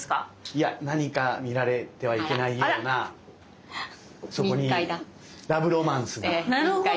いや何か見られてはいけないようなそこにラブロマンスが。